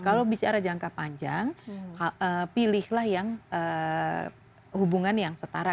kalau bicara jangka panjang pilihlah yang hubungan yang setara